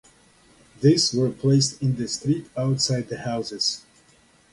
These were placed in the street outside the houses.